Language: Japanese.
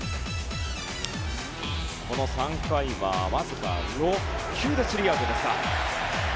３回はわずか６球でスリーアウトでした。